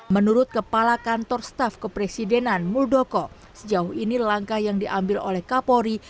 menurut kepala kantor staf kepresidenan muldoko sejauh ini langkah yang diambil oleh kapolri